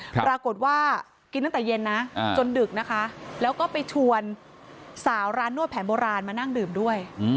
ปรากฏว่ากินตั้งแต่เย็นนะจนดึกนะคะแล้วก็ไปชวนสาวร้านนวดแผนโบราณมานั่งดื่มด้วย